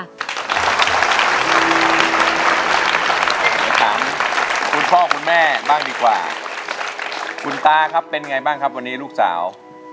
ถามคุณพ่อคุณแม่บ้างดีกว่าคุณตาครับเป็นไงบ้างครับวันนี้ลูกสาว